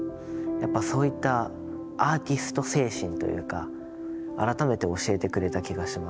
やっぱそういったアーティスト精神というか改めて教えてくれた気がしますね。